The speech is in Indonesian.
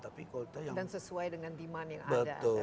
dan sesuai dengan demand yang ada